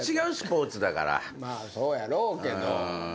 まあそうやろうけど。